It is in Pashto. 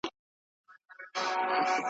چي په ژوند کي یې په خوب نه وو لیدلی `